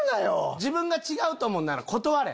自分が違うと思うんなら断れ。